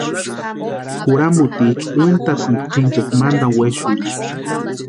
Juramutiicha úntʼasïnti kwʼinchikwa mantani wexurhini.